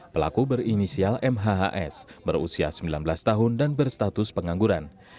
pelaku berinisial mhhs berusia sembilan belas tahun dan berstatus pengangguran